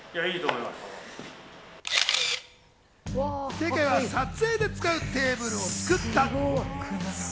正解は、撮影で使うテーブルを作った。